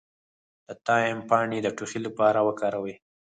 د تایم پاڼې د ټوخي لپاره وکاروئ